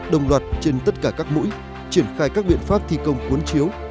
đồng loạt trên tất cả các mũi triển khai các biện pháp thi công cuốn chiếu